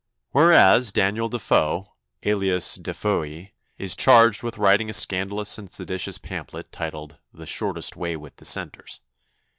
] "Whereas, Daniel De Foe, alias De Fooe, is charged with writing a scandalous and seditious pamphlet entitled The Shortest Way with the Dissenters.